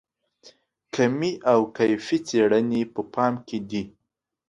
کمي او کیفي څېړنې په پام کې دي.